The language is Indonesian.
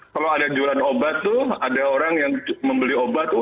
kalau ada jualan obat tuh ada orang yang membeli obat